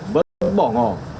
vẫn bỏ ngỏ